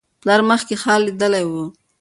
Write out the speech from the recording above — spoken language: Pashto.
پلار مخکې ښار لیدلی و.